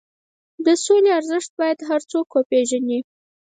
د سولې ارزښت باید هر څوک وپېژني.